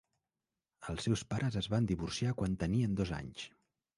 Els seus pares es van divorciar quan tenien dos anys.